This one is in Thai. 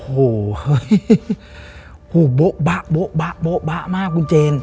โอ้โหโบ๊ะบ๊ะบ๊ะบ๊ะบ๊ะมากคุณเจน